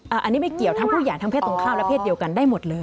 อันนี้ไม่เกี่ยวทั้งผู้ใหญ่ทั้งเศษตรงข้าวและเพศเดียวกันได้หมดเลย